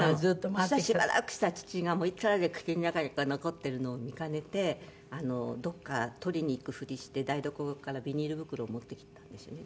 そしたらしばらくしたら父がいつまでも口の中に残っているのを見かねてどこか取りに行くふりして台所からビニール袋を持ってきたんですよね。